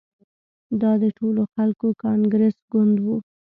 دا د ټولو خلکو کانګرس ګوند وو.